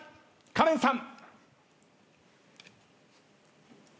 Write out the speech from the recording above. カレンさん。